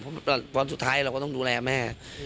เพราะวันสุดท้ายเราก็ต้องดูแลแม่